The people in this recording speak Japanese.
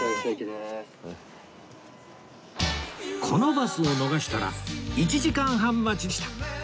このバスを逃したら１時間半待ちでした